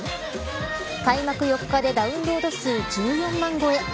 開幕４日でダウンロード数１４万超え。